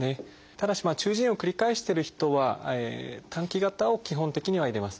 ただし中耳炎を繰り返してる人は短期型を基本的には入れます。